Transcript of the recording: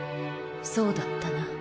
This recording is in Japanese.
そうだったな。